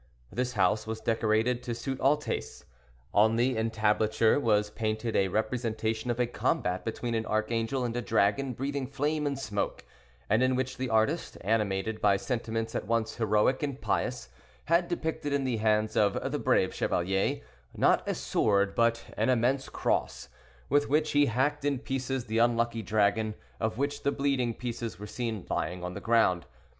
This house was decorated to suit all tastes. On the entablature was painted a representation of a combat between an archangel and a dragon breathing flame and smoke, and in which the artist, animated by sentiments at once heroic and pious, had depicted in the hands of "the brave chevalier," not a sword, but an immense cross, with which he hacked in pieces the unlucky dragon, of which the bleeding pieces were seen lying on the ground.